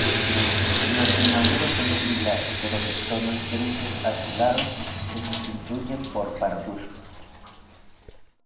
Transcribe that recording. Los inmaduros son similares pero los tonos grises azulados se sustituyen por parduzcos.